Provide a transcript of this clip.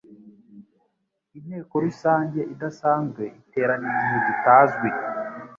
Inteko Rusange idasanzwe iterana igihe kitazwi